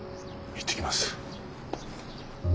行ってきます。